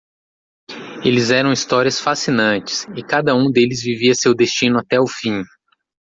Eles eram histórias fascinantes, e cada um deles vivia seu destino até o fim.